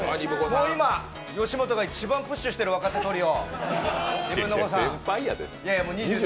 今、吉本が一番プッシュしてる若手トリオ、ニブンノゴ！さん。